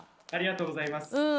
ありがとうございます。